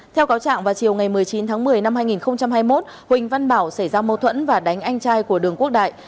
theo cáo trạng vào chiều ngày một mươi chín tháng một mươi năm hai nghìn hai mươi một huỳnh văn bảo xảy ra mâu thuẫn và đánh anh trai của đường quốc đại